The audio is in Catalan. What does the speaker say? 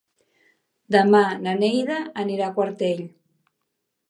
Demà na Neida anirà a Quartell.